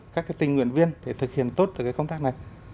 các cái tình nguyện viên để thực hiện tốt cái công tác này